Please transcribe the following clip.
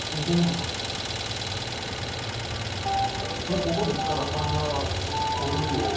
ここで塚田さんがお料理を。